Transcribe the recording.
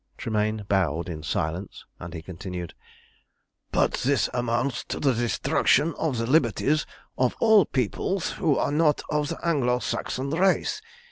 Tremayne bowed in silence, and he continued "But this amounts to the destruction of the liberties of all peoples who are not of the Anglo Saxon race.